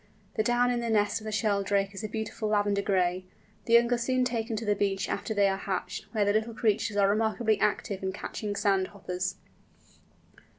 The down in the nest of the Sheldrake is a beautiful lavender gray. The young are soon taken to the beach after they are hatched, where the little creatures are remarkably active in catching sand hoppers.